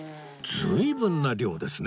随分な量ですね。